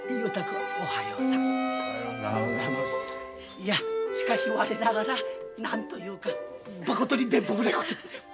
いやしかし我ながら何と言うかまことに面目ないことで。